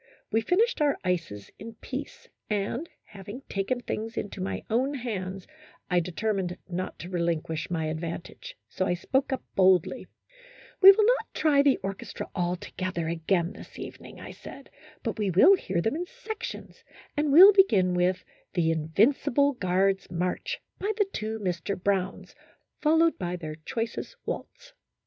We finished our ices in peace, and, having taken things into my own hands, I determined not to relinquish my advantage, so I spoke up boldly, " We will not try the orchestra all together again this evening," I said, " but we will hear them in sections, and will begin with ' The In vincible Guards' March,' by the two Mr. Browns, followed by their choicest waltz."